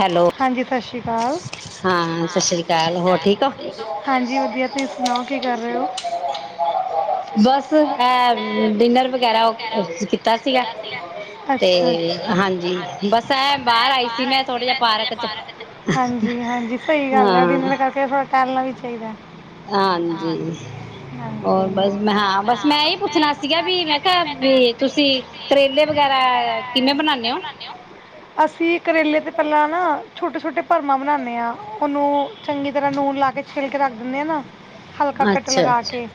Hello ਹਾਂਜੀ ਸਤਿ ਸ਼੍ਰੀ ਅਕਾਲ ਹਾਂ ਸਤਿ ਸ੍ਰੀ ਅਕਾਲ ਹੋਰ ਠੀਕ ਆ ਹਾਂਜੀ ਵਧੀਆ ਤੁਸੀਂ ਸੁਣਾਓ ਕੀ ਕਰ ਰਹੇ ਹੋ ਬਸ ਐ ਡਿਨਰ ਵਗ ਗੈਰਾ ਕੀਤਾ ਸੀਗਾ ਤੇ ਅੱਛਾ ਅੱਛਾ, ਹਾਂਜੀ ਬਸ ਐ ਬਾਹਰ ਆਈ ਸੀ ਐ ਮੈਂ ਥੋੜਾ ਜਾ ਪਾਰਕ ਚ ਹਾਂਜੀ ਹਾਂਜੀ ਸਹੀ ਗੱਲ ਹੈ ਹਾਂ ਡਿਨਰ ਕਰਕੇ ਥੋੜਾ ਟਹਿਲਣਾ ਵੀ ਚਾਹੀਦਾ ਹਾਂਜੀ ਹੋਰ ਹਾਂਜੀ ਬਸ ਮੈਂ ਹਾਂ ਬਸ ਮੈਂ ਐ ਹੀ ਪੁੱਛਣਾ ਸੀਗਾ ਵੀ ਮੈਂ ਵੀ ਤੁਸੀਂ ਕਰੇਲੇ ਵਗੈਰਾ ਕਿਵੇਂ ਬਣਾਨੇ ਓ? ਅਸੀਂ ਕਰੇਲੇ ਤੇ ਪਹਿਲਾਂ ਨਾ ਛੋਟੇ ਛੋਟੇ ਭਰਮਾਂ ਬਣਾਉਂਨੇ ਆ ਉਹਨੂੰ ਚੰਗੀ ਤਰ੍ਹਾਂ ਨੂਨ ਲਾ ਕੇ ਛਿੱਲ ਕੇ ਰੱਖ ਦਿੰਨੇ ਆ ਨਾ ਹਲਕਾ ਕੱਟ ਅੱਛਾ ਲਗਾ ਕੇ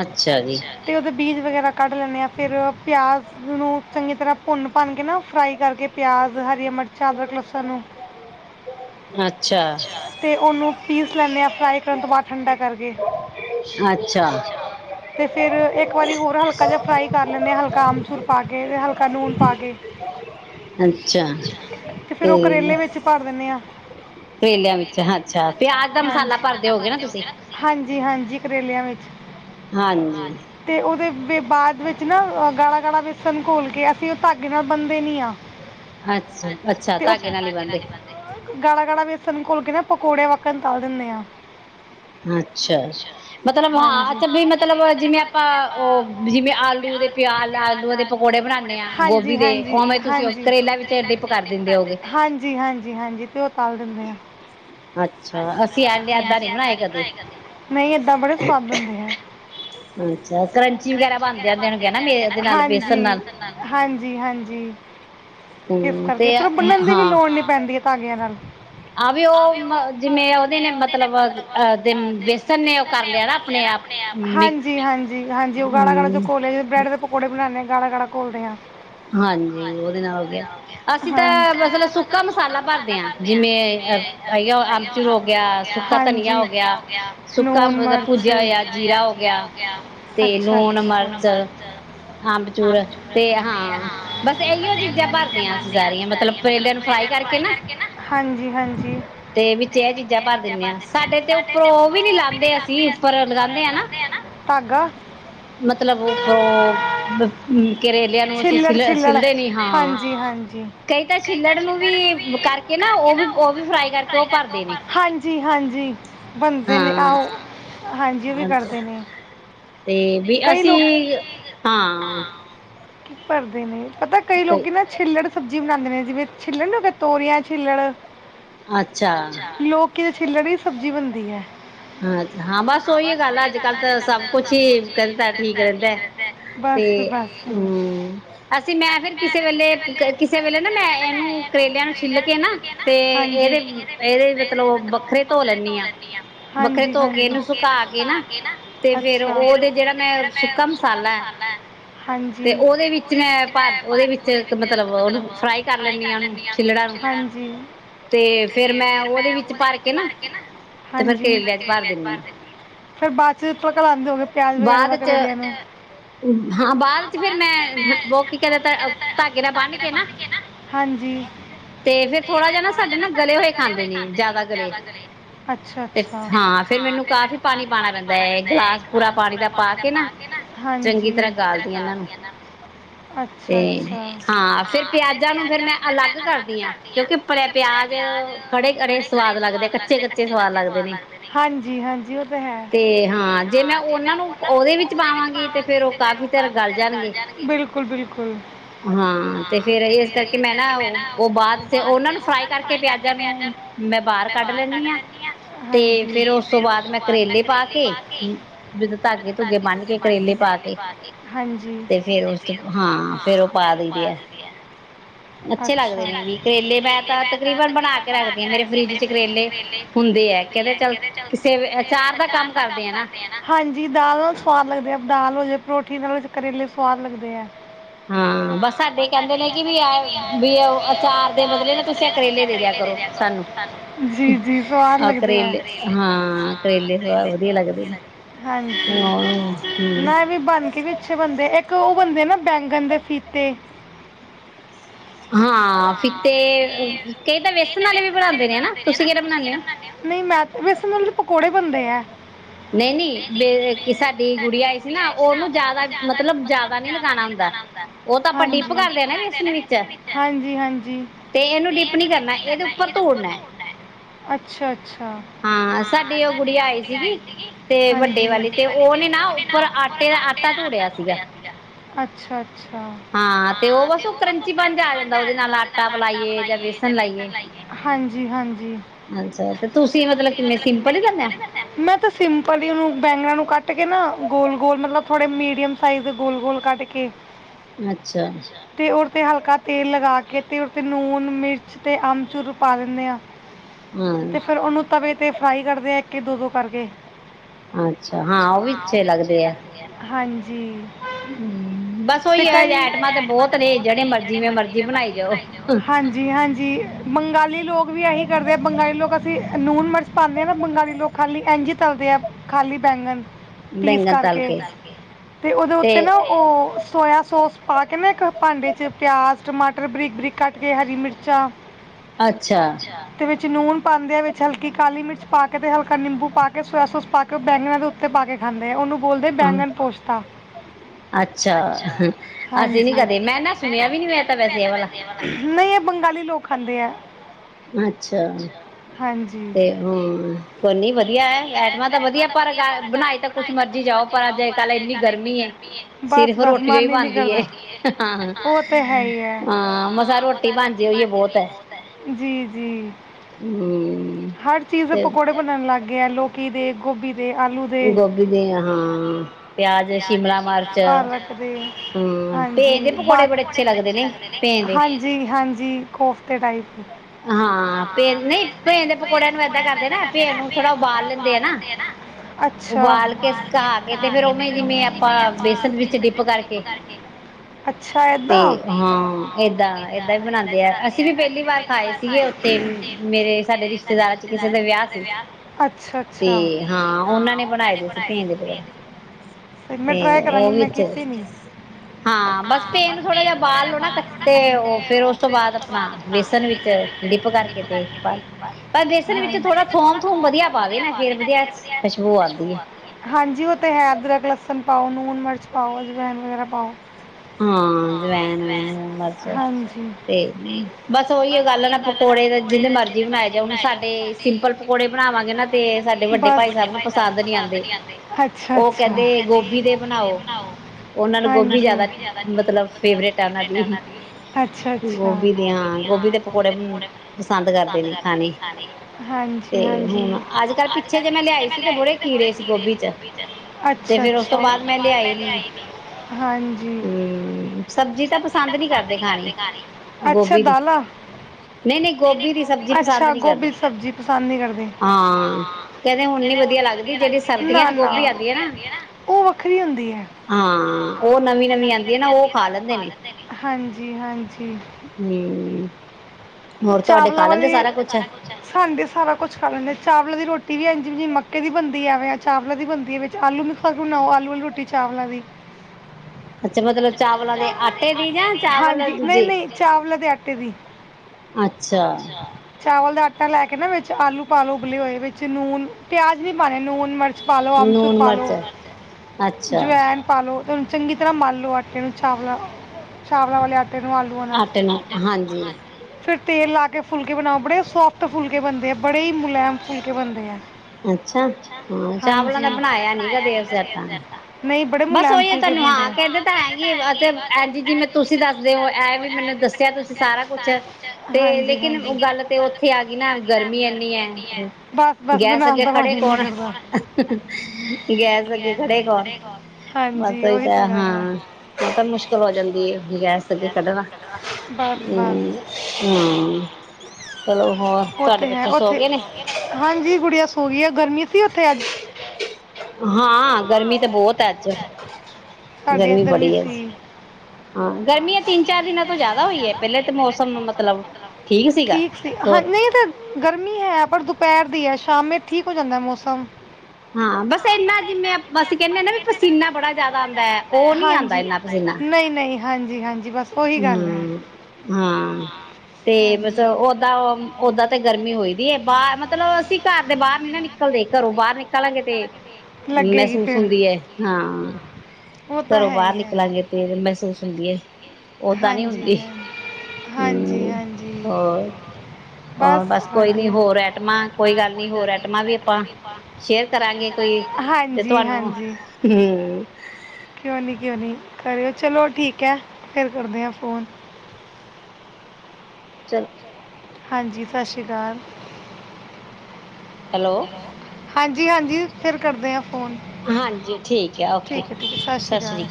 ਅੱਛਾ ਜੀ ਤੇ ਓਹਦੇ ਬੀਜ ਵਗੈਰਾ ਕੱਢ ਲੈਂਨੇ ਆ ਫਿਰ ਪਿਆਜ਼ ਨੂੰ ਚੰਗੀ ਤਰ੍ਹਾਂ ਭੁੰਨ ਭੰਨ ਕੇ ਨਾ ਫਰਾਈ ਕਰਕੇ ਪਿਆਜ਼ ਹਰੀਆਂ ਮਿਰਚਾਂ ਅਦਰਕ ਲੱਸਣ ਨੂੰ ਅੱਛਾ ਤੇ ਉਹਨੂੰ ਪੀਸ ਲੈਂਨੇ ਆ ਫਰਾਈ ਕਰਨ ਤੋਂ ਬਾਅਦ ਠੰਡਾ ਕਰਕੇ ਅੱਛਾ ਤੇ ਫਿਰ ਇੱਕ ਵਾਰੀ ਹੋਰ ਹਲ ਕਾ ਜਾ ਫਰਾਈ ਕਰ ਲੈਂਨੇ ਆ ਹਲਕਾ ਅਮਚੁਰ ਪਾ ਕੇ ਤੇ ਹਲਕਾ ਨੂਨ ਪਾ ਕੇ ਅੱਛਾ ਤੇ ਫੇਰ ਉਹ ਕਰੇਲੇ ਵਿੱਚ ਭਰ ਦੇੇਨੇ ਆ ਕਰੇਲਿਆਂ ਵਿੱਚ ਅੱਛਾ ਪਿਆਜ ਦਾ ਮਸਾਲਾ ਭਰਦੇ ਹੋਗੇ ਨਾ ਤੁਸੀਂ ਹਾਂਜੀ ਹਾਂਜੀ-ਹਾਂਜੀ ਕਰੇਲਿਆਂ ਵਿੱਚ ਹਾਂਜੀ ਤੇ ਉਹਦੇੇ ਵੇ ਵਿੱਚ ਨਾ ਓ ਗਾੜਾ-ਗਾੜਾ ਬੇਸਨ ਘੋਲ ਕੇ ਅਸੀਂ ਉਹ ਧਾਗੇ ਨਾਲ ਬੰਨਦੇ ਨੀ ਆ ਅੱਛਾ ਅੱਛਾ ਤੇ ਓ ਧਾਗੇ ਨਾਲ ਹੀ ਬੰਨਦੇ ਗਾੜਾ-ਗਾੜਾ ਵੇਸਣ ਘੁਲ ਨਾ ਪਕੌੜੇ ਵੱਕਣ ਤਲ ਦਿੰਨੇ ਆ ਅੱਛਾ ਮਤਲਬ ਹਾਂਜੀ ਹਾਂ ਅੱਛਾ ਵੀ ਮਤਲਬ ਜਿਵੇਂ ਆਪਾਂ ਓ ਜਿਵੇਂ ਆਲੂ ਦੇ ਪਿਆਜ ਆਲੂਆਂ ਦੇ ਪਕੌੜੇ ਬਣਾਨੇ ਆ ਹਾਂਜੀ ਗੋਭੀ ਦੇ ਹਾਂਜੀ ਉਵੇਂ ਤੁਸੀਂ ਹਾਂਜੀ ਕਰੇਲਾ ਵੀ ਤੇਲ ਡਿਪ ਕਰ ਦਿੰਦੇ ਹੋਗੇ। ਹਾਂਜੀ ਹਾਂਜੀ ਹਾਂਜੀ ਤੇ ਉਹ ਤਲ ਅੱਛਾ ਅਸੀਂ ਐ ਏਦਾਂ ਨੀ ਬਣਾਏ ਕਦੇ ਨਹੀਂ ਏਦਾਂ ਬੜੇ ਸਵਾਦ ਬੰਦੇ ਐ। ਅੱਛਾ ਕਰੰਚੀ ਬਣ ਵਗੈਰਾ ਬੰਨ ਹੋਣਗੇ ਨਾ ਜਾਂਦੇ ਮੇਰੇ ਉਹਦੇ ਨਾਲ ਹੋਣਗੇ ਨਾ ਬੇਸਨ ਵੇਸਨ ਨਾਲ ਹਾਂਜੀ-ਹਾਂਜੀ, ਹਾਂਜੀ ਇਸ ਹਮ ਕਰਕੇ ਤੇ ਫਿਰ ਉਹ ਦੀ ਵੀ ਲੋੜ ਨੀ ਪੈਂਦੀ ਹੈ ਧਾਗਿਆਂ ਨਾਲ। ਆਹ ਵੀ ਉਹ ਜਿਵੇਂ ਉਹਦੇ ਨੇ ਮਤਲਬ ਅਹ ਬੇਸਨ ਨੇ ਉਹ ਕਰ ਲਿਆ ਨਾ ਆਪਣੇ ਆਪ ਮਿਕਸ। ਹਾਂਜੀ ਹਾਂਜੀ ਗਾੜਾ-ਗਾੜਾ ਜਿਹਾ ਘੋਲ ਲਿਆ ਜਿਵੇਂ ਬ੍ਰੈਡ ਤੇ ਪਕੌੜੇ ਬਣਾਉਦੇ ਆ ਗਾ ਗਾੜਾ ਗਾੜਾ ਘੋਲਦੇ ਆਂ। ਹਾਂਜੀ ਉਹਦੇ ਨਾਲ ਹੋ ਗਿਆ ਅਸੀਂ ਤਾਂ ਹਾਂਜੀ ਮਤਲਬ ਸੁੱਕਾ ਮਸਾਲਾ ਭਰਦੇ ਹਾਂ ਜਿਵੇਂ ਆ ਅਮਚੂਰ ਹੋ ਗਿਆ, ਸੁੱਕਾ ਹਾਂਜੀ। ਧਨੀਆ ਹੋ ਗਿਆ, ਸੁੱਕਾ ਨੂਨ ਮਤਲਬ ਮਿਰਚ ਭੁਜਿਆ ਹੋਇਆ ਜੀਰਾ ਹੋ ਗਿਆ ਤੇ ਅੱਛਾ ਲੂਣ, ਮਿਰਚ, ਅੰਬਚੂਰ ਤੇ ਹਾਂ ਬਸ ਇਹੀਓ ਚੀਜ਼ਾਂ ਭਰਦੇ ਹਾਂ ਅਸੀਂ ਸਾਰੀਆਂ ਮਤਲਬ ਪਰੇਲਿਆਂ ਨੂੰ ਫਰਾਈ ਕਰਕੇ ਨਾ ਹਾਂਜੀ ਹਾਂਜੀ ਤੇ ਵਿੱਚ ਇਹ ਚੀਜ਼ਾਂ ਭਰ ਦਿੰਦੇ ਹਾਂ ਸਾਡੇ ਤੇ ਉੱਪਰੋਂ ਉਹ ਵੀ ਨੀ ਲਾਦੇ ਅਸੀਂ ਉੱਪਰ ਲਗਾਉਂਦੇ ਹਾਂ ਨਾ ਧਾਗਾ ਮਤਲਬ ਉੱਪਰੋਂ ਕਰੇ ਛਿੱਲੜ ਛਿੱਲੜ ਛਿਲਦੇ ਨੀ ਹਾਂ ਹਾਂਜੀ ਹਾਂਜੀ ਕਈ ਤਾਂ ਛਿੱਲੜ ਨੂੰ ਵੀ ਕਰਕੇ ਨਾ ਉਹ ਵੀ ਉਹ ਵੀ ਫਰਾਈ ਕਰਕੇ ਉਹ ਭਰਦੇ ਨੇ ਹਾਂਜੀ ਹਾਂਜੀ ਬੰਦੇ ਹਾਂ। ਨੇ ਆਓ ਹਾਂਜੀ ਉਹ ਵੀ ਕਰਦੇ ਨੇ। ਤੇ ਵੀ ਕਈ ਲੋਕ ਅਸੀਂ ਹਾਂ- ਭਰਦੇ ਨੇ। ਪਤਾ ਕਈ ਲੋਕੀ ਨਾ ਛਿੱਲੜ ਸਬ ਜ਼ੀ ਬਣਾਉਂਦੇ ਨੇ ਜਿਵੇਂ ਛਿੱਲਣ ਨੀ ਹੁੰਦੇ ਤੋਰੀਆਂ ਛਿੱਲੜ ਅੱਛਾ ਕਿਤੇ ਛਿੱਲੜ ਸਬਜ਼ੀ ਬਣਦੀ ਹੈ। ਹਾਂ ਅ ਹਾਂ ਬਸ ਓਹੀ ਗੱਲ ਆ ਅੱਜ ਕੱਲ ਤਾਂ ਸਭ ਕੁਛ ਹੀ ਕਹਿੰਦੇ ਤਾਂ ਠੀਕ ਰਹਿੰਦਾ ਤੇ ਬਸ ਬਸ ਹਮ ਅਸੀਂ ਮੈਂ ਫੇਰ ਕਿਸੇ ਵੇਲੇ ਕਿਸੇ ਵੇਲੇ ਨਾ ਮੈਂ ਇਹਨੂੰ ਕਰੇਲਿਆਂ ਨੂੰ ਛਿੱਲ ਕੇ ਨਾ ਤੇ ਇਹਦੇ-ਇਹਦੇ ਮਤਲਬ ਵੱਖਰੇ ਧੋ ਲੈਨੀ ਆ। ਵੱਖਰੇ ਹਾਂਜੀ ਤੇ ਧੋ ਕੇ ਇਹਨੂੰ ਸੁਕਾ ਕੇ ਨਾ ਤੇ ਫੇਰ ਉਹਦੇ ਜਿਹੜਾ ਜਿਹੜਾ ਮੈਂ ਸੁੱਕਾ ਮਸਾਲਾ ਹਾਂਜੀ, ਤੇ ਵਿੱਚ ਉਹਦੇ ਵਿਚ ਭਰ ਮੈਂ ਉਹਦੇ ਵਿੱਚ ਦੇ ਵਿਚ ਮਤਲਬ ਉਹਨੂੰ ਫਰਾਈ ਲੈਂਦੀ ਕਰ ਹਾਂ ਉਹਨੂੰ ਲੈਨੀ ਆ ਛਿੱਲੜਾ ਨੂੰ ਹਾਂਜੀ, ਤੇ ਫਿਰ ਮੈਂ ਓਦੇ ਵਿਚ ਭਰ ਕੇ ਨਾ ਤੇ ਫੇਰ ਹਾਂਜੀ ਕਰੇਲਿਆਂ ਚ ਭਰ ਦਿੰਦੀ ਹਾਂ ਫੇਰ ਬਾਅਦ ਚ ਤੜਕਾ ਲਾਂਦੇ ਹੋ ਗਏ। [unintelligible] ਹਾਂ ਬਾਅਦ ਚ ਹਾਂ ਬਾਅਦ ਫੇਰ ਬਾਦ ਚ ਮੈ ਮੈਂ ਉਹ ਕੀ ਕਿ ਕਹਿੰਦੇ ਧਾਗੇ ਨਾਲ ਬੰਨ ਕੇ ਨਾ ਹਾਂਜੀ ਤੇ ਫਿਰ ਥੋੜਾ ਜਿਹਾ ਨਾ ਸਾਡੇ ਗਲੇ ਹੋਏ ਖਾਂਦੇ ਨੇ ਜਿਆਦਾ ਗੱਲੇ ਤੇ ਅੱਛਾ-ਅੱਛਾ ਹਾਂ ਫੇਰ ਫਿਰ ਕਾਫ਼ੀ ਮੈਨੂੰ ਕਾਫੀ ਪਾਉਣਾ ਪਾਣੀ ਪੈਂਦਾ ਪਾਣਾ ਹੈ ਗਲਾਸ ਪੈਂਦਾ। ਪੂਰਾ ਪਾ ਪੂਰਾ ਦਾ ਪਾਣੀ ਨਾ ਪਾ ਕੇ ਹਾਂਜੀ ਤਰ੍ਹਾਂ ਚੰਗੀ ਤਰਾਂ ਇਹਨਾਂ ਨੂੰ ਗਾਲਦੀ ਆਂ ਏਨਾਂ ਨੂੰ ਤੇ ਅੱਛਾ-ਅੱਛਾ ਫਿਰ ਹਾਂ ਫੇਰ ਪਿਆਜ਼ਾਂ ਫਿਰ ਪਿਆਜਾਂ ਨੂੰ ਮੈਂ ਅਲੱਗ ਅਲਗ ਹਾਂ ਕਰਦੀ ਆਂ ਕਿਉਂਕਿ ਪ ਪਿਆਜ ਪਿਆਜ਼ ਖੜੇ ਖੜੇ ਕੜੇ- ਕੜੇ ਲੱਗਦੇ ਸਵਾਦ ਲਗਦੇ ਕੱਚੇ ਨੇ ਕੱਚੇ ਕਚੇ- ਕਚੇ ਲੱਗਦੇ ਸਵਾਦ ਲਗਦੇ ਨੇ ਹਾਂਜੀ- ਹਾਂਜੀ ਓਹ ਤਾਂ ਹੈ। ਤੇ ਹਾਂ ਜੇ ਮੈਂ ਉਹਦੇ ਵਿੱਚ ਪਾਵਾਂਗੀ ਤੇ ਫੇਰ ਉਹ ਕਾਫ਼ੀ ਤਰ ਗਲ ਜਾਣਗੇ ਬਿਲਕੁਲ ਬਿਲਕੁਲ ਹਾਂ ਤੇ ਫੇਰ ਇਸ ਕਰਕੇ ਮੈਂ ਨਾ ਉਹ ਬਾਅਦ ਚ, ਉਹਨਾਂ ਨੂੰ ਫਰਾਈ ਕਰਕੇ ਪਿਆਜਾਂ ਨੂੰ ਮੈਂ ਬਾਹਰ ਕੱਢ ਲੈਦੀ ਆਂ ਤੇ ਹਾਂਜੀ ਫੇਰ ਉਸ ਤੋਂ ਬਾਅਦ ਮੈਂ ਕਰੇਲੇ ਪਾ ਕੇ ਹੂੰ ਵਿਦ ਧਾਗੇ-ਧੁਗੇ ਬੰਨ ਕੇ ਕਰੇਲੇ ਪਾ ਕੇ ਤੇ ਫੇਰ ਉਸ ਚ ਹਾਂ ਫੇਰ ਉਹ ਪਾ ਦਈਦੇ ਆ, ਅੱਛੇ ਲੱਗਦੇ ਨੇ ਵੀ ਕਰੇਲੇ ਮੈਂ ਤਾਂ ਤਕਰੀਬਨ ਬਣਾ ਕੇ ਰੱਖਦੀ ਆਂ, ਮੇਰੇ ਫਰਿਜ ਚ ਕਰੇਲੇ ਹੁੰਦੇ ਆ ਕਹਿੰਦੇ ਚੱਲ ਕਿਸੇ ਅਚਾਰ ਦਾ ਕੰਮ ਕਰਦੇ ਆ ਨਾ। ਕਹਿਣਾ ਹਾਂਜੀ, ਦਾਲ ਨਾਲ ਸਵਾਦ ਲੱਗਦੇ ਆ ਦਾਲ ਹੋ ਜੇ, ਪਰੋਠੀ ਨਾਲ ਕਰੇਲੇ ਸੁਆਦ ਲੱਗਦੇ ਆ। ਹੂੰ, ਬਸ ਸਾਡੇ ਕਹਿੰਦੇ ਨੇ ਕਿ ਆਹ ਵੀ ਉਹ ਅਚਾਰ ਦੇ ਬਦਲੇ ਨਾ ਤੁਸੀਂ ਆਹ ਕਰੇਲੇ ਦੇ ਦਿਆ ਕਰੋ ਸਾਨੂੰ ਜੀ ਜੀ ਸਵਾਦ ਆ ਲੱਗਦੇ ਕਰੇਲੇ ਹਾਂ, ਕਰੇਲੇ ਸੁਆਦ ਵਧੀਆ ਲੱਗਦੇ ਨੇ। ਹਾਂਜੀ, ਹਮ ਨਾ ਵੀ ਬਣ ਕੇ ਵੀ ਅੱਛੇ ਬਣਦੇ, ਇੱਕ ਉਹ ਬਣਦੇ ਨਾ ਬੈਂਗਨ ਹੁੰਦੇ ਫੀਤੇ ਹਾਂ, ਫੀਤੇ ਕਈ ਤਾਂ ਵੇਸਣ ਵਾਲੇ ਵੀ ਬਣਾਦੇ ਨੇ, ਹਨਾ ਤੁਸੀਂ ਕਿਹੜੇ ਬਣਾਂਦੇ ਹੋ? ਵੇਸਨ ਨਾਲ ਵੀ ਪਕੌੜੇ ਬਣਦੇ ਐ। ਨਹੀਂ-ਨਹੀਂ, ਬੇ ਸਾਡੀ ਗੁੜੀਆ ਆਈ ਸੀ ਨਾ, ਉਹਨੂੰ ਜ਼ਿਆਦਾ ਮਤਲਬ ਜਿਆਦਾ ਨੀ ਲਗਾਣਾ ਹੁੰਦਾ, ਉਹ ਤਾਂ ਆਪਾਂ ਡਿਪ ਕਰਦੇ ਆ ਨਾ ਬੇਸਣ ਵਿੱਚ ਹਾਂਜੀ ਹਾਂਜੀ ਤੇ ਇਹਨੂੰ ਡਿਪ ਨੀ ਕਰਨਾ ਇਹਦੇ ਉੱਪਰ ਤੁੜਨਾ। ਅੱਛਾ, ਅੱਛਾ ਹਾਂ, ਸਾਡੀ ਉਹ ਕੁੜੀ ਆਈ ਸੀਗੀ। ਹਾਂਜੀ ਤੇ ਮੰਡੇ ਵਾਲੇ ਤੇ ਉਹਨੇ ਨਾ ਉੱਪਰ ਆਟੇ ਦਾ ਆਟਾ ਤੁੜਿਆ ਸੀਗਾ। ਅੱਛਾ, ਅੱਛਾ-ਅੱਛਾ। ਹਾਂ, ਤੇ ਉਹ ਵਾਹ ਕਰੰਚੀਪਨ ਜਾ ਆ ਜਾਂਦਾ ਉਹਦੇ ਨਾਲ ਆਟਾ ਲਾਈਏ ਜਾਂ ਬੇਸਨ ਲਾਈਏ, ਹਾਂਜੀ-ਹਾਂਜੀ ਤੇ ਤੁਸੀਂ ਮਤਲਬ ਕਿਵੇਂ ਪੂਰੇ ਸਿੰਪਲ ਹੀ, ਮੈਂ ਤਾਂ ਸਿੰਪਲ ਹੀ ਬੈਂਗਨ ਨੂੰ ਕੱਟ ਕੇ ਨਾ ਗੋਲ-ਗੋਲ ਮਤਲਬ ਥੋੜੇ ਮੀਡੀਅਮ ਸਾਈਜ਼ ਦੇ ਗੋਲ-ਗੋਲ ਕੱਟ ਕੇ ਅੱਛਾ। ਤੇ ਉਹਦੇ ਤੇ ਹਲਕਾ ਤੇਲ ਲਗਾ ਕੇ ਤੇ ਉੱਤੇ ਨੂਣ-ਮਿਰਚ ਤੇ ਅੰਬਚੂਰ ਪਾ ਦਿੰਦੇ ਹਾਂ। ਤੇ ਹਾਂ ਫੇਰ ਉਹਨੂੰ ਤਵੇ ਤੇ ਫਰਾਈ ਕਰਦੇ ਆ, ਇੱਕ-ਇੱਕ, ਦੋ-ਦੋ ਕਰਕੇ ਅੱਛਾ, ਹਾਂ ਉਹ ਵੀ ਅੱਛੇ ਲੱਗਦੇ ਆ। ਦੀ ਬਸ ਤੇ ਉਹੀ ਹੈ ਕਈ ਐਟਮਾਂ ਤੇ ਬਹੁਤ ਨੇ ਜਿਹੜੇ ਮਰਜੀ ਜਿਵੇਂ ਮਰਜੀ ਬਣਾਈ ਜਾਓ ਹਾਂਜੀ-ਹਾਂਜੀ, ਬੰਗਾਲੀ ਲੋਕ ਵੀ ਇਹੀ ਕਰਦੇ ਆ, ਬੰਗਾਲੀ ਲੋਕ ਅਸੀਂ ਨੂਣ-ਮਿਰਚ ਪਾਂਦੇ ਹਾਂ ਨਾ, ਬੰਗਾਲੀ ਲੋਕ ਖਾਲੀ ਇੰਝ ਹੀ ਚੱਲਦੇ ਆ, ਖਾਲੀ ਬੈਂਗਣ ਪੀਸ ਬੈਂਗਣ ਤਲ ਕਰਕੇ ਕੇ ਤੇ ਉਹਦੇ ਉੱਤੇ ਨਾ ਉਹ ਸੋਇਆ ਸੋਸ ਪਾ ਕੇ ਨਾ ਇੱਕ ਭਾਂਡੇ ਚ ਪਿਆਜ, ਟਮਾਟਰ ਬਟਰ ਬਰੀਕ-ਬਰੀਕ ਕੱਟ ਕੇ ਹਰੀ ਮਿਰਚਾਂ ਅੱਛਾ, ਤੇ ਵਿੱਚ ਚ ਨੂਨ ਪਾਂਦੇ ਆ ਵਿੱਚ ਹਲਕੀ ਕਾਲੀ ਮਿਰਚ ਪਾ ਕੇ ਤੇ ਹਲਕਾ ਨਿੰਬੂ ਪਾ ਕੇ ਤੇ ਸੋਇਆ ਸੌਸ ਪਾ ਕੇ ਬੈਂਗਣਾ ਦੇ ਉੱਤੇ ਪਾ ਕੇ ਖਾਂਦੇ ਆ ਉਹਨੂੰ ਬੋਲਦੇ ਹਾਂ ਬੈਗਣ ਪੋਸ਼ਤਾ ਅੱਛਾ, ਅਸੀਂ ਤੇ ਕਦੇ, ਮੈਂ ਨਾ, ਮੈਂ ਤਾਂ ਸੁਣਿਆ ਵੀ ਨਹੀਂ ਮੈਂ ਤਾਂ ਇਹ ਵਾਲਾ, ਨਹੀਂ ਇਹ ਬੰਗਾਲੀ ਲੋਕ ਖਾਂਦੇ ਆ ਅੱਛਾ ਹਾਂਜੀ ਤੇ ਹੋਰ ਕੋਈ ਨੀ ਵਧੀਆ ਆਈਟਮਾਂ ਤਾਂ ਵਧੀਆ ਪਰ ਬਣਾਈ ਤਾਂ ਕੁੱਛ ਮਰਜੀ ਜਾਓ ਪਰ ਅੱਜ ਕੱਲ ਇੰਨੀ ਗਰਮੀ ਬਸ ਸਿਰਫ਼ ਬਸ ਰੋਟੀਓ ਹੀ ਮਨ ਨਹੀਂ ਬਣਦੀ ਕਰਦਾ ਹਾਂ ਉਹ ਤੇ ਹੈ ਹੀ ਹੈ ਹਾਂ ਮਸਾਂ ਰੋਟੀ ਬਣ ਜਾਏ ਓਹੀਓ ਬਹੁਤ ਏ ਜੀ ਜੀ ਹਰ ਚੀਜ਼ ਤੇ ਪਕੌੜੇ ਬਣਾਣ ਲੱਗ ਗਈ ਲੋਕੀ ਦੇ ਗੋਭੀ ਦੇ ਆਲੂ ਦੇ ਗੋਭੀ ਦੀ ਹਾਂ ਪਿਆਜ ਸ਼ਿਮਲਾ ਮਿਰਚ ਭੇਜ ਦੇ [unintelligible] ਪਕੌੜੇ ਬੜੇ ਅੱਛੇ ਲੱਗਦੇ ਨੇ ਭੇਜ ਦੇ। ਪਈ ਹਾਂ ਭੇ ਨਹੀਂ ਭੇ ਦੇ ਪਕੌੜਿਆਂ ਨੂੰ ਏਦਾਂ ਕਰਦੇ ਨਾ ਭੇ ਨੂੰ ਥੋੜਾ ਉਬਾਲ ਲੈਂਦੇ ਆ ਨਾ ਅੱਛਾ ਉਬਾਲ ਕੇ ਸੁਕਾ ਕੇ ਤੇ ਫੇਿਰ ਉਵੇਂ ਜਿਵੇਂ ਆਪਾਂ ਬੇਸਨ ਵਿੱਚ ਡਿਪ ਕਰਕੇ ਅੱਛਾ ਤੇ ਏਦਾਂ ਹਾਂ ਏਦਾਂ ਏਦਾਂ ਵੀ ਬਣਾਉਦੇ ਆ ਅਸੀਂ ਵੀ ਪਹਿਲੀ ਵਾਰ ਆਏ ਸੀਗੇ ਉੱਥੇ ਮੇਰੇ ਸਾਡੇ ਰਿਸ਼ਤੇਦਾਰਾਂ ਚ ਕਿਸੇ ਦਾ ਵਿਆਹ ਸੀ ਅਛਾ ਤੇ ਅਛਾ ਹਾਂ ਨੇ ਬਣਾਏ ਉਹਨਾਂ ਦੇ ਸੀ ਬਣਿਆ ਭੇਜ ਦੇ ਪਕੌੜੇ। ਸੀ ਮੈਂ ਤੇ ਟਰਾਈ ਕਰਗੀ ਉਹ ਵੀ ਅੱਛੇ ਬਸ ਤੇਲ ਹਾਂ ਬਸ ਪੇ ਨੂੰ ਥੋੜਾ ਜਿਹਾ ਬਾਲ ਲੋ ਨਾ ਤੇ ਪਾ ਡਿੱਪ ਕਰਕੇ ਤੇ ਪਰ ਬੇਸਣ ਵਿੱਚ ਹਾਂਜੀ। ਥੋੜਾ ਥੋਮ ਥੋਮ ਵਧੀਆ ਪਾਵੇ ਨਾ ਫੇਰ ਵਧੀਆ ਖੁਸ਼ਬੂ ਆਉਂਦੀ ਹੈ ਹਾਂਜੀ ਉਹ ਤੇ ਹੈ ਅਦਰਕ ਲਸਣ ਪਾਓ ਲੂਣ ਮਿਰਚ ਪਾਓ ਅਜਵੈਨ ਵਗੈਰਾ ਪਾਓ ਹਾਂਜੀ ਅਜਵਾਣ ਲੂਣ ਮਿਰਚ ਹਾਂਜੀ ਤੇ ਬਸ ਓਹੀ ਗਲ ਨਾ ਪਕੌੜੇ ਜਿਨ੍ਹਾਂ ਮਰਜ਼ੀ ਬਣਾਉਣ ਸਾਡੇ ਸਿੰਪਲ ਪਕੌੜੇ ਬਣਾ ਬਣਾਵਾਂਗੇ ਨਾ ਤੇ ਸਾਡੇ ਵੱਡੇ ਭਾਈ ਸਾਹਿਬ ਨੂੰ ਪਸੰਦ ਨੀ ਆਉਂਦੇ ਅੱਛਾ ਉਹ ਅੱਛਾ ਕਹਿੰਦੇ ਗੋਭੀ ਦੇ ਬਣਾਓ ਉਹਨਾਂ ਨੂੰ ਗੋਭੀ ਜ਼ਿਆਦਾ ਮਤਲਬ ਫੇਵਰੇਟ ਆ ਉਹਨਾਂ ਦੀ ਅੱਛਾ ਅੱਛਾ ਗੋਭੀ ਦੇ ਹਾਂ ਗੋਭੀ ਦੇ ਪਕੌੜੇ ਪਸੰਦ ਕਰਦੇ ਨੇ ਖਾਣੇ ਤੇ ਹਾਂਜੀ ਹੁਣ ਅੱਜ ਕੱਲ੍ਹ ਪਿੱਛੇ ਜੇ ਮੈਂ ਲਿਆਈ ਸੀ ਤੇ ਬੜੇ ਕੀੜੇ ਸੀ ਗੋਭੀ ਚ ਤੇ ਫੇਰ ਉਸ ਤੋਂ ਬਾਅਦ ਮੈਂ ਲਿਆਏ ਨੀ ਹਾਂਜੀ [unintelligible] ਹਮ ਸਬਜ਼ੀ ਤਾਂ ਪਸੰਦ ਨੀ ਕਰਦੇ ਖਾਣੀ ਅੱਛਾ ਗੋਭੀ ਦੀ ਦਾਲਾਂ ਨਹੀਂ ਨਹੀਂ ਗੋਭੀ ਦੀ ਸਬਜ਼ੀ ਪਸੰਦ ਅੱਛਾ ਨੀ ਕਰਦੇ ਗੋਭੀ ਸਬਜ਼ੀ ਪਸੰਦ ਨਹੀਂ ਕਰਦੇ ਹਾਂ ਕਹਿੰਦੇ ਹੁਣ ਨੀ ਵਧੀਆ ਲੱਗਦੀ ਜਿਹੜੀ ਸਰਦੀਆਂ ਨਾ ਚ ਨਾ ਗੋਭੀ ਆਉਂਦੀ ਹੈ ਨਾ ਉਹ ਵੱਖਰੀ ਹੁੰਦੀ ਆ ਨਵੀਂ ਨਵੀਂ ਆਉਂਦੀ ਨਾ ਉਹ ਖਾਂ ਲੈਂਦੇ ਨੇ ਹਾਂਜੀ ਹਾਂਜੀ ਹਮ ਹੋਰ ਤੁਹਾਡੇ ਚਾਵਲਾਂ ਖਾ ਲੈਂਦੇ ਵਾਲੀ ਸਾਰਾ ਕੁਛ ਸਾਡੇ ਸਾਰਾ ਕੁਛ ਖਾ ਲੈਂਦੇ ਦੀ ਰੋਟੀ ਵੀ ਆ ਮੱਕੇ ਦੀ ਬਣਦੀ ਹੈ ਚਾਵਲ ਦੀ ਬਣਦੀ ਹੈ ਆਲੂ ਬਣਾਓ ਆਲੂ ਵਾਲੀ ਰੋਟੀ ਚਾਵਲਾਂ ਦੀ ਅੱਛਾ ਮਤਲਬ ਚਾਵਲਾਂ ਦੇ ਆਟੇ ਦੀ ਜਾਂ ਚਾਵਲ ਹਾਂਜੀ ਨਹੀਂ ਦੂਜੇ ਨਹੀਂ ਚਾਵਲਾਂ ਦੇ ਆਟੇ ਦੀ ਅੱਛਾ ਚਾਵਲ ਦਾ ਆਟਾ ਲੈ ਕੇ ਨਾ ਵਿੱਚ ਆਲੂ ਪਾਲੋ ਹੋਏ ਵਿੱਚ ਲੂਣ ਪਿਆਜ [unintelligible] ਲੂਣ ਪਾਲੋ ਪਾ ਲੋ ਅਮਚੂਰ ਨੂਨ ਪਾ ਮਿਰਚ ਲਓ ਅੱਛਾ ਜਵੈਨ ਪਾ ਲਓ ਤੁਹਨੂੰ ਚੰਗੀ ਤਰ੍ਹਾਂ ਮਨ ਲੋ ਆਟੇ ਨੂੰ ਚਾਵਲਾ ਚਾਵਲਾਂ ਵਾਲੇ ਅਟੇ ਆਲੂਆਂ ਨਾਲ ਆਟੇ ਨੂੰ ਹਾਂਜੀ ਹਾਂਜੀ ਫਿਰ ਤੇਲ ਲਗਾ ਕੇ ਫੁਲਕੇ ਬਣਾਓ ਬੜੇ ਸੋਫਟ ਫੁਲਕੇ ਬਣਦੇ ਬੜੇ ਹੀ ਮੁਲੈਮ ਫੁਲਕੇ ਬੰਦੇ ਆ ਅੱਛਾ ਹਾਂ ਚਾਵਲਾਂ ਹਾਂਜੀ ਦਾ ਬਣਾਇਆ ਨੀ ਗਾ ਦੇ ਆਟਾ ਨਹੀਂ ਬੜੇ ਬਸ ਮੁਲਾਇਮ ਓਹੀ ਹੈ ਫੁਲਕੇ ਤੁਹਾਨੂੰ ਬਣਦੇ ਹਾਂ ਆ ਕਹਿੰਦੇ ਤਾਂ ਹੈਗੀ ਐਜੀ ਜਿਵੇਂ ਤੁਸੀਂ ਦੱਸਦੇ ਹੋ ਐ ਵੀ ਮੈਨੂੰ ਦੱਸਿਆ ਤੁਸੀਂ ਸਾਰਾ ਕੁਛ ਤੇ ਹਾਂਜੀ ਲੇਕਿਨ ਹਾਂਜੀ ਗੱਲ ਤੇ ਉੱਥੇ ਆ ਗਈ ਨਾ ਗਰਮੀ ਇਨੀ ਹੈ। ਬਸ ਬਸ ਗੈਸ ਬਣਾਉਣ ਅੱਗੇ ਦਾ ਮਨ ਖੜੇ ਹੀ ਨਹੀਂ ਕੌਣ, ਕਰਦਾ ਗੈਸ ਅੱਗੇ ਖੜੇ ਕੌਣ ਬਸ ਹਾਂਜੀ ਹੀ ਉਹੀ ਤਾਂ ਹਾਂ ਮ ਤਾਂ ਮੁਸ਼ਕਿਲ ਹੋ ਜਾਂਦੀ ਗੈਸ ਅੱਗੇ ਕਢਣਾ ਬਸ ਬਸ ਹਮ ਹਾਂ ਚਲੋ ਹੋਰ ਉਹ ਤੁਹਾਡੇ ਤੇ ਹੈ ਬੱਚੇ ਸੋ ਉੱਥੇ ਗਏ ਨੇ ਹਾਂਜੀ ਗੁਰੀਆ ਸੋ ਗਈ ਹੈ ਗਰਮੀ ਸੀ ਉੱਥੇ ਅੱਜ ਹਾਂ ਗਰਮੀ ਤਾਂ ਬਹੁਤ ਹੈ ਅੱਜ ਸਾਡੇ ਗਰਮੀ ਇੱਧਰ ਵੀ ਬੜੀ ਏ ਹੋਈ ਹੈ ਪਹਿਲੇ ਤੇ ਮੌਸਮ ਮਤਲਬ ਸੀਗਾ ਠੀਕ ਸੀ ਦੋ ਹ ਨਹੀਂ ਤੇ ਗਰਮੀ ਹੈ ਪਰ ਪੈਦੀ ਹੈ ਸ਼ਾਮੇ ਠੀਕ ਹੋ ਜਾਂਦਾ ਮੌਸਮ ਹਾਂ ਬਸ ਇਨਾ ਜਿਵੇਂ ਅਸੀਂ ਕਹਿੰਦੇ ਹ ਨਾ ਵੀ ਪਸੀਨਾ ਬੜਾ ਜਿਆਦਾ ਆਉਂਦਾ ਹੈ ਉਹ ਨੀ ਆਉਂਦਾ ਹਾਂਜੀ ਇੰਨਾ ਪਸੀਨਾ ਨਹੀਂ ਨਹੀਂ ਹਾਂਜੀ ਹਾਂਜੀ। ਉਹੀ ਗੱਲ ਹੈ ਹਮ ਹਾਂ ਤੇ ਹਾਂਜੀ ਮਸ ਓਦਾਂ ਓਦਾਂ ਤੇ ਗਰਮੀ ਹੋਈ ਦੀ ਹੈ ਬਾਹ ਮਤਬ ਮਤਲਬ ਅਸੀਂ ਘਰ ਦੇ ਬਾਹਰ ਨੀ ਨਾ ਨਿਕਲਦੇ ਘਰੋਂ ਬਾਹਰ ਨਿਕਲਾਂਗੇ ਤੇ ਲੱਗੇਗੀ ਮਹਿਸੂਸ ਫਿਰ ਹੁੰਦੀ ਹੈ ਹਾਂ ਚ ਤਾਂ ਉਹ ਹੈ ਬਾਹਰ ਹੀ ਨਿਕਲਾਂਗੇ ਤੇਰੇ ਮਹਿਸੂਸ ਹ ਓਦਾਂ ਨੀ ਹਾਂਜੀ ਹੁੰਦੀ, ਹਾਂਜੀ ਹਾਂਜੀ ਹਮ ਹਾਂਜੀ ਹੋਰ ਹੋਰ ਬਸ ਕੋਈ ਨੀ ਹੋਰ ਐਟਮਾਂ ਕੋਈ ਗੱਲ ਨੀ ਹੋਰ ਐਟਮਾਂ ਵੀ ਆਪਾਂ ਸ਼ੇਅਰ ਕਰਾਂਗੇ ਕੋਈ ਤੇ ਹਾਂਜੀ ਤੁਹਾਨੂੰ ਹਾਂਜੀ ਹਮ ਕਿਉਂ ਨੀ ਕਿਉਂ ਨੀ ਕਰਿਓ ਚਲੋ ਠੀਕ ਹੈ। ਫਿਰ ਕਰਦੇ ਹਾਂ ਫੋਨ। ਚੱਲ। ਹਾਂਜੀ ਸਤਿ ਸ਼੍ਰੀ ਅਕਾਲ। ਹੈਲੋ ਹਾਂਜੀ ਹਾਂਜੀ ਫਿਰ ਕਰਦੇ ਆ ਫੋਨ ਹਾਂਜੀ ਠੀਕ ਆ ਓਕੇ ਠੀਕ ਹੈ ਠੀਕ ਹੈ ਸਤਿ ਸ੍ਰੀ ਅਕਾਲ।